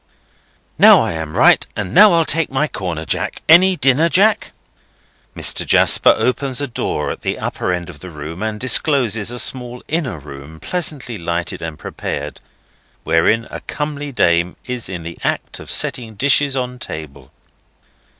"Now I am right, and now I'll take my corner, Jack. Any dinner, Jack?" Mr. Jasper opens a door at the upper end of the room, and discloses a small inner room pleasantly lighted and prepared, wherein a comely dame is in the act of setting dishes on table.